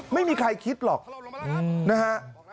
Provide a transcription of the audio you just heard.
ไม่มีใครคิดหรอกนะฮะ